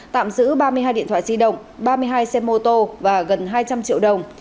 tạm giữ ba mươi hai điện thoại di động ba mươi hai xe mô tô và gần hai trăm linh triệu đồng